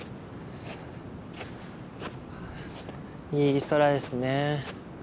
いい空ですね。